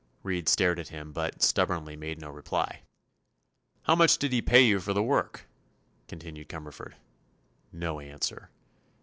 Reed stared at him but, stubbornly made no reply. "How much did he pay you for the work?" continued Cumberford. No answer.